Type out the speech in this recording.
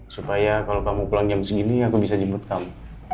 supaya kalau kamu pulang jam segini aku bisa jemput kamu